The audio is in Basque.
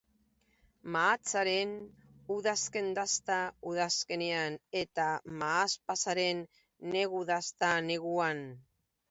Mahatsaren udazken-dasta udazkenean, eta mahaspasaren negu-dasta neguan.